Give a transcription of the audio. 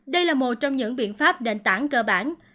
đây là một trong những biện pháp đền tảng cơ bản